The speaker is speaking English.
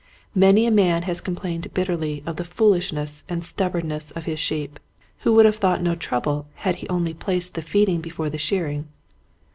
Many a man has complained bitterly of the foolishness and stubbornness of his sheep, who would have had no trouble had he only placed the feeding before the shearing.